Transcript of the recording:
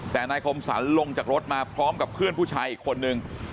แต่นายคมสรรลงจากรถมาพร้อมกับเพื่อนผู้ชายอีกคนนึง